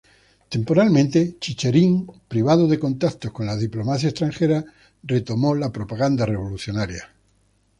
Temporalmente, Chicherin, privado de contactos con la diplomacia extranjera, retomó la propaganda revolucionaria.